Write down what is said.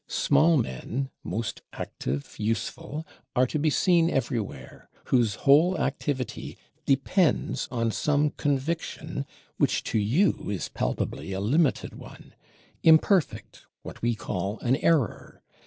Small men, most active, useful, are to be seen everywhere, whose whole activity depends on some conviction which to you is palpably a limited one; imperfect, what we call an error.